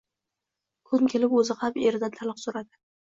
Kun kelib oʻzi ham eridan taloq soʻradi.